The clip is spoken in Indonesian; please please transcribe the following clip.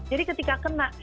jadi ketika kena